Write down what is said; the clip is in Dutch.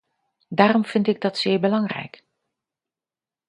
Daarom vind ik dat zeer belangrijk.